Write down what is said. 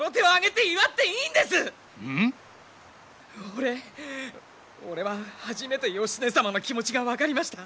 俺俺は初めて義経様の気持ちが分かりました。